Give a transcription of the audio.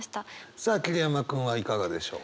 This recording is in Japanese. さあ桐山君はいかがでしょう。